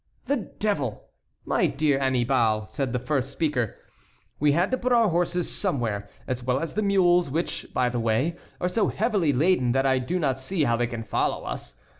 "The devil! my dear Annibal," said the first speaker, "we had to put our horses somewhere, as well as the mules, which, by the way, are so heavily laden that I do not see how they can follow us.